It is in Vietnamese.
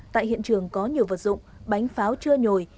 tại hiện trường có nhiều vật dụng bánh pháo chưa nhồi